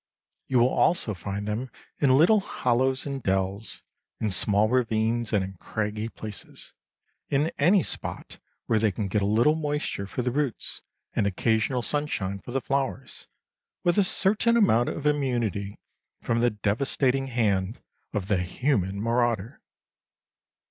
You will also find them in little hollows and dells, in small ravines and in craggy places—in any spot where they can get a little moisture for the roots and occasional sunshine for the flowers, with a certain amount of immunity from the devastating hand of the human marauder.